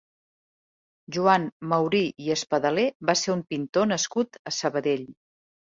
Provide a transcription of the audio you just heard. Joan Maurí i Espadaler va ser un pintor nascut a Sabadell.